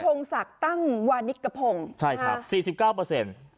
คุณพงศักดิ์ตั้งวานิกพงศ์